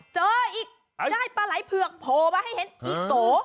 เจออีกได้ปลาไหล่เผือกโผล่มาให้เห็นอีกโต